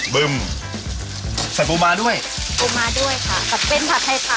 บึ้มใส่ปูมาด้วยปูมาด้วยค่ะผัดเส้นผัดไทยค่ะ